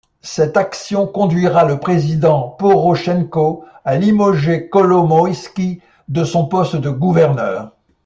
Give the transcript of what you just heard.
Cette action conduira le président Porochenko a limoger Kolomoïsky de son poste de gouverneur.